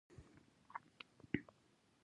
په خپلولو سره ټول پردي په خپلو بدلېږي.